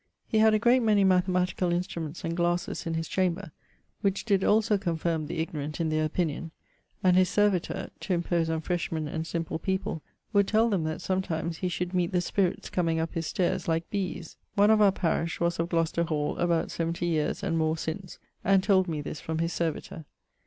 He had a great many mathematicall instruments and glasses in his chamber, which did also confirme the ignorant in their opinion, and his servitor (to impose on freshmen and simple people) would tell them that sometimes he should meet the spirits comeing up his staires like bees. One[V.] of our parish[VI.] was of Glocester Hall about 70 yeares and more since, and told me this from his servitor.